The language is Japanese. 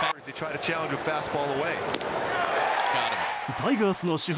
タイガースの主砲